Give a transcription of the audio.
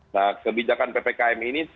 nah kebijakan ppkm ini